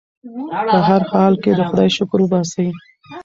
په هر حال کې د خدای شکر وباسئ.